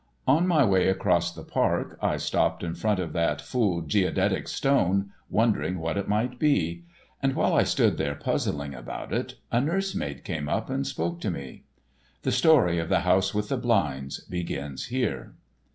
On my way across the park I stopped in front of that fool Geodetic stone, wondering what it might be. And while I stood there puzzling about it, a nurse maid came up and spoke to me. The story of "The House With the Blinds" begins here.